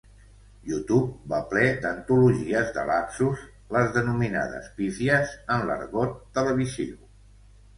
YouTube va ple d'antologies de lapsus, les denominades pífies en l'argot televisiu.